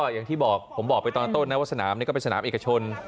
อย่างที่ผมบอกไปตอนต้นสนามเอกชน